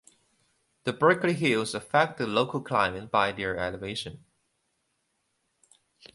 The Berkeley Hills affect the local climate by their elevation.